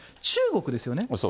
中国ですよね。